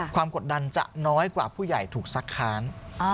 กดดันจะน้อยกว่าผู้ใหญ่ถูกซักค้าน